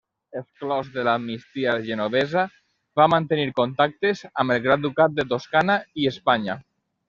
Exclòs de l'amnistia genovesa, va mantenir contactes amb el Gran Ducat de Toscana i Espanya.